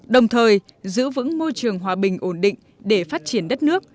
đồng thời giữ vững môi trường hòa bình ổn định để phát triển đất nước